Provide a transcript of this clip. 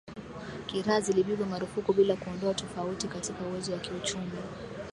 kiraa zilipigwa marufuku bila kuondoa tofauti katika uwezo wa kiuchumi